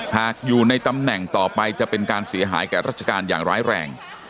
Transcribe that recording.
หากอยู่ในตำแหน่งต่อไปจะเป็นการเสียหายแก่ราชการอย่างร้ายแรง